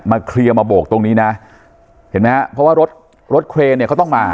เคลียร์มาโบกตรงนี้นะเห็นไหมฮะเพราะว่ารถรถเครนเนี่ยเขาต้องมา